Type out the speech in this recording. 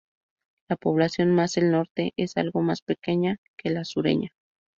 La población más al norte es algo más pequeña que la sureña.